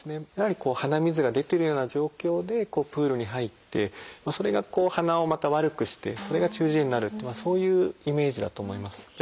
やはりこう鼻水が出てるような状況でプールに入ってそれがこう鼻をまた悪くしてそれが中耳炎になるそういうイメージだと思います。